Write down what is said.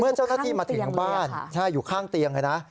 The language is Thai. เจ้าหน้าที่มาถึงบ้านอยู่ข้างเตียงเลยนะ